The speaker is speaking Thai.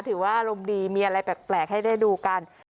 อารมณ์ดีมีอะไรแปลกให้ได้ดูกัน